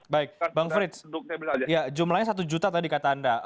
baik bang frits jumlahnya satu juta tadi kata anda